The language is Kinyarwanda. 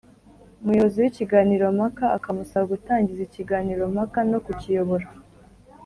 umuyobozi w’ikiganiro mpaka akamusaba gutangiza ikiganiro mpaka no kukiyobora